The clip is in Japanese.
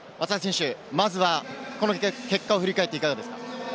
まずは結果を振り返っていかがですか？